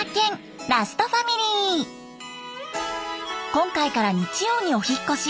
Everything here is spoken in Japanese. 今回から日曜にお引っ越し！